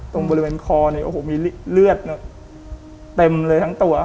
ตรงบริเวณคอเนี่ยโอ้โหมีเลือดเต็มเลยทั้งตัว